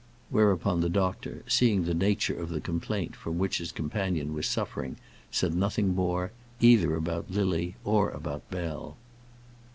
Whereupon the doctor, seeing the nature of the complaint from which his companion was suffering, said nothing more, either about Lily or about Bell.